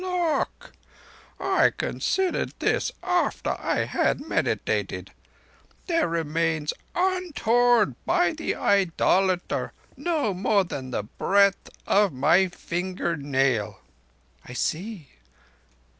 "Look! I considered this after I had meditated. There remains untorn by the idolater no more than the breadth of my fingernail." "I see."